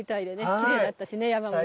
きれいだったしね山もね。